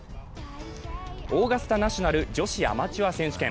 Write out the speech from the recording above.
オーガスタナショナル女子アマチュア選手権。